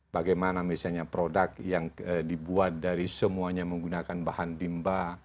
bagaimana misalnya produk yang dibuat dari semuanya menggunakan bahan bimba